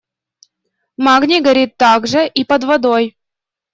Магний горит также и под водой.